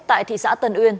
tại thị xã tân uyên